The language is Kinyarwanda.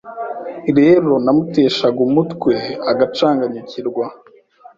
rero namuteshaga umutwe agacanganyukirwa